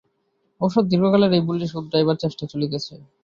অবশ্য দীর্ঘকালের এই ভুলটি শুধরাইবার চেষ্টা চলিতেছে।